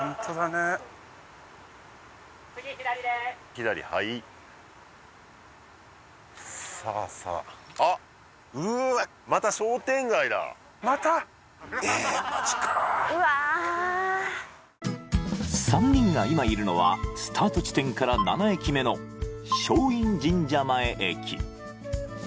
左はいさあさあ３人が今いるのはスタート地点から７駅目の松陰神社前駅